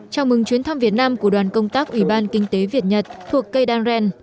chào mừng chuyến thăm việt nam của đoàn công tác ủy ban kinh tế việt nhật thuộc keidanren